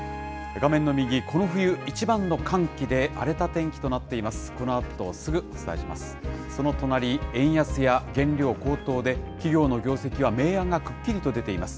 画面の右、この冬一番の寒気で荒れた天気となっています。